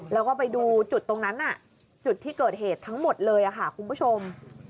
แล้วก็ไปดูจุดตรงนั้นจุดที่เกิดเหตุทั้งหมดเลยค่ะคุณผู้ชม